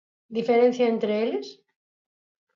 Diferencia entre eles?